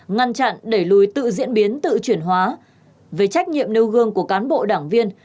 ngăn chặn đẩy lùi tự diễn biến tự chuyển hóa về trách nhiệm nêu gương của cán bộ đảng viên